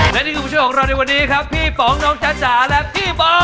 และนี่คือผู้ช่วยของเราในวันนี้ครับพี่ป๋องน้องจ๊ะจ๋าและพี่บอล